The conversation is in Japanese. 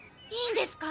いいんですか？